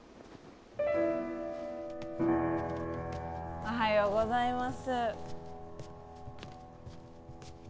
おはようございます。